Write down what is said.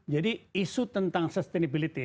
jadi isu tentang sustainability